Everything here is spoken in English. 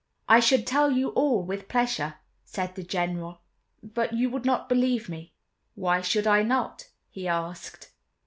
"I should tell you all with pleasure," said the General, "but you would not believe me." "Why should I not?" he asked.